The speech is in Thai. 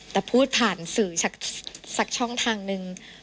แต่พูดผ่านสื่อสักช่องทางนึง